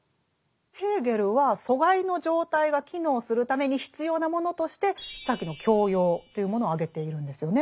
ヘーゲルは疎外の状態が機能するために必要なものとしてさっきの「教養」というものを挙げているんですよね。